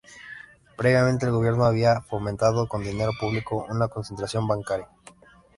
Previamente el gobierno había fomentado con dinero público una concentración bancaria.